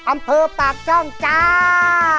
อำเภอปากช่องจ้า